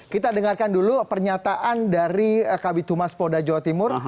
kita dengarkan dulu pernyataan dari kabitumas polda jawa timur